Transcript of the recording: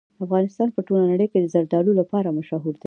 افغانستان په ټوله نړۍ کې د زردالو لپاره مشهور دی.